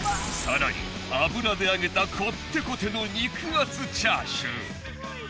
更に油で揚げたこってこての肉厚チャーシュー。